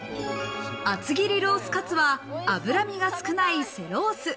厚切りロースカツは脂身が少ない背ロース。